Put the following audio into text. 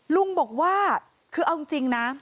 ลุงบอกว่าคือเอาจริงนะ